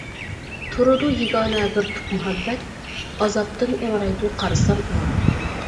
تۇرىدۇ يېگانە بىر تۈپ مۇھەببەت، ئازابتىن ئىڭرايدۇ قارىسام ئاڭا.